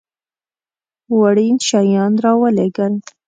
وړین شیان را ولېږل.